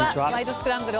スクランブル」